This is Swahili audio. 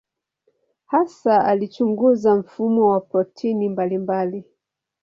Hasa alichunguza mfumo wa protini mbalimbali.